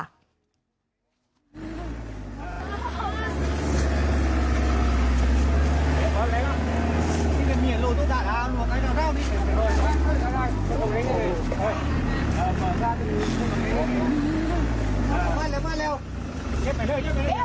มาเร็ว